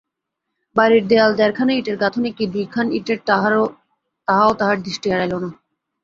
বাড়ির দেয়াল দেড়খানা ইঁটের গাঁথনি কি দুইখান ইঁটের তাহাও তাহার দৃষ্টি এড়াইল না।